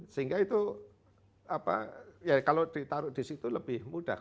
sehingga itu kalau ditaruh di situ lebih mudah